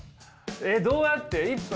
どうやって１分？